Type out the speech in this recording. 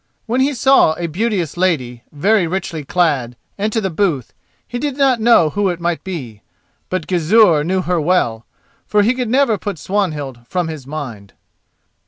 When he saw a beauteous lady, very richly clad, enter the booth he did not know who it might be. But Gizur knew her well, for he could never put Swanhild from his mind.